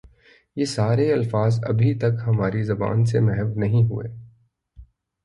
یہ سارے الفاظ ابھی تک ہماری زبان سے محو نہیں ہوئے